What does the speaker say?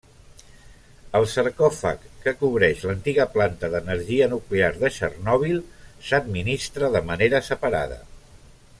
El sarcòfag que cobreix l'antiga planta d'energia nuclear de Txernòbil s'administra de manera separada.